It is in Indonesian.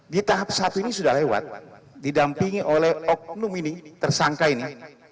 di tahap satu ini sudah lewat didampingi oleh oknum ini tersangka ini